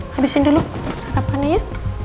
habisin dulu sarapannya ya